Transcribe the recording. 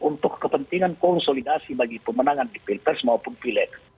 untuk kepentingan konsolidasi bagi pemenangan di pilters maupun pilih